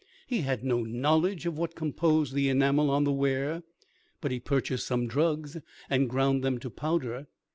He had no knowledge of what composed the enamel on the ware; but he purchased some drugs, and ground them to powder.